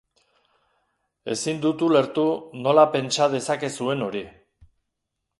Ezin dut ulertu nola pentsa dezakezuen hori.